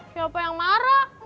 siapa yang marah